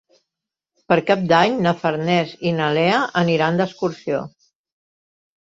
Per Cap d'Any na Farners i na Lea aniran d'excursió.